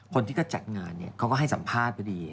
คนที่ก็จัดงานเขาก็ให้สัมภาษณ์พอดี